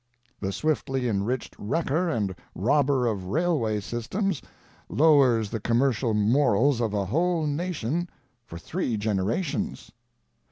The swiftly enriched wrecker and robber of railway systems lowers the commercial morals of a whole nation for three generations.